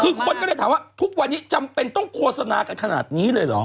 คือคนก็เลยถามว่าทุกวันนี้จำเป็นต้องโฆษณากันขนาดนี้เลยเหรอ